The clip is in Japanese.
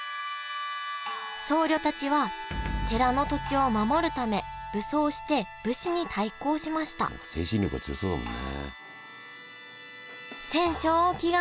僧侶たちは寺の土地を守るため武装して武士に対抗しました精神力が強そうだもんね。